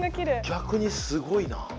逆にすごいな。